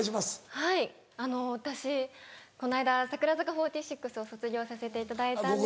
はい私この間櫻坂４６を卒業させていただいたんですけど。